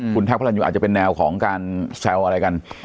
คุณแท็กพระรันยูอาจจะเป็นแนวของการแซวอะไรกัน